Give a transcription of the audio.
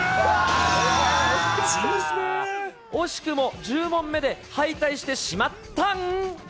惜しくも１０問目で敗退してしまったん。